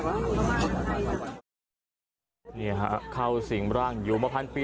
เจ้าแม่จักรเคียนเข้าสิงหร่างอ่าไปดูภาพเลยครับ